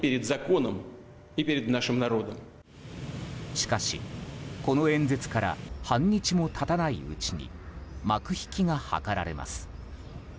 しかし、この演説から半日も経たないうちに幕引きが図られます。